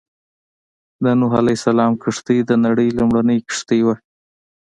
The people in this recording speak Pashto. د نوح عليه السلام کښتۍ د نړۍ لومړنۍ کښتۍ وه.